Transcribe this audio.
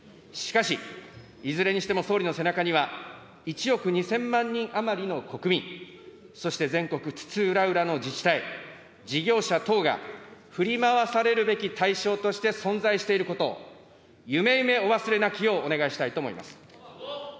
しかし、いずれにしても総理の背中には、１億２０００万人余りの国民、そして全国津々浦々の自治体、事業者等が振り回されるべき対象として存在していること、ゆめゆめお忘れなきよう、お願いしたいと思います。